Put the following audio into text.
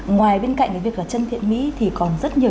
ngoài bên cạnh cái việc là chân thiện mỹ thì còn rất nhiều